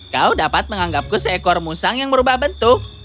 kau dapat menganggapku seekor musang yang merubah bentuk